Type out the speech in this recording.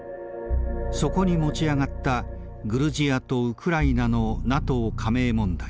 そこに持ち上がったグルジアとウクライナのＮＡＴＯ加盟問題。